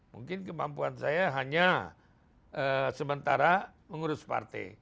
mungkin kemampuan saya hanya sementara mengurus partai